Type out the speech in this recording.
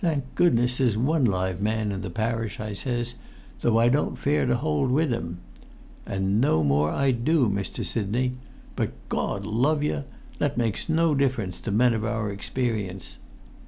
Thank goodness there's one live man in the parish,' I says, 'though I don't fare to hold with him.' And no more I do, Mr. Sidney; but, Gord love yer, that make no difference to men of our experience.